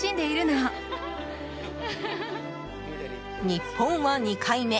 日本は２回目。